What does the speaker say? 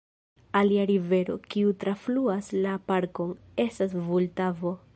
Alia rivero, kiu trafluas la parkon, estas Vultavo.